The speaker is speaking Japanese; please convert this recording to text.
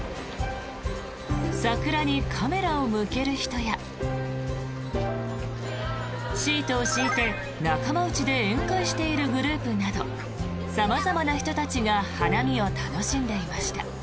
桜にカメラを向ける人やシートを敷いて仲間内で宴会しているグループなど様々な人たちが花見を楽しんでいました。